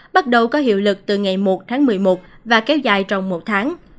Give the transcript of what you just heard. bắt đầu có hiệu lực từ ngày một tháng một mươi một và kéo dài trong một tháng